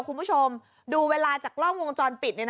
คุณผู้ชมดูเวลาจากกล้องวงจรปิด